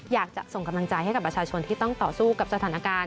อยากจะส่งกำลังใจให้กับประชาชนที่ต้องต่อสู้กับสถานการณ์